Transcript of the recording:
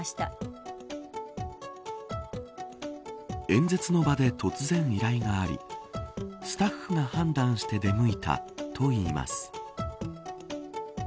演説の場で突然依頼がありスタッフが判断して出向いたと言います。